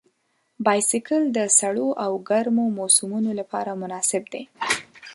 بایسکل د سړو او ګرمو موسمونو لپاره مناسب دی.